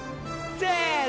せの。